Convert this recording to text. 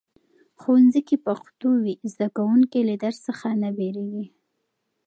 ښوونځي کې پښتو وي، زده کوونکي له درس څخه نه بیریږي.